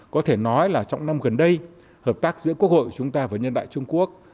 có thể nói là trong năm gần đây hợp tác giữa quốc hội chúng ta và nhân đại trung quốc